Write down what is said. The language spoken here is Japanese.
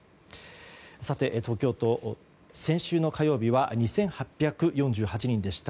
さて、東京都、先週の火曜日は２８４８人でした。